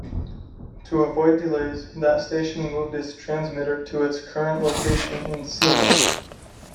To avoid delays, that station moved its transmitter to its current location in Seymour.